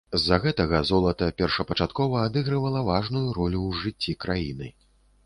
З-за гэтага, золата першапачаткова адыгрывала важную ролю ў жыцці краіны.